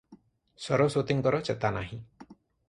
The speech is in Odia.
ସରସ୍ୱତୀଙ୍କର ଚେତା ନାହିଁ ।